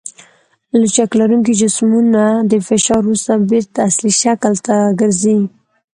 لچک لرونکي جسمونه د فشار وروسته بېرته اصلي شکل ته ګرځي.